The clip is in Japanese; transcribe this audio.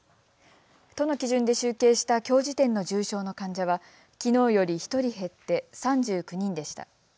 都の基準で集計したきょう時点の重症の患者はきのうより１人減って３９人でした。